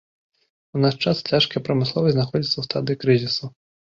У наш час цяжкая прамысловасць знаходзіцца ў стадыі крызісу.